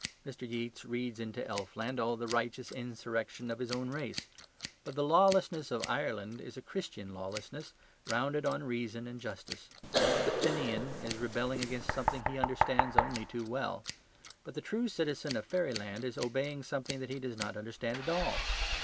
Mr. Yeats reads into elfland all the righteous insurrection of his own race. But the lawlessness of Ireland is a Christian lawlessness, founded on reason and justice. The Fenian is rebelling against something he understands only too well; but the true citizen of fairyland is obeying something that he does not understand at all.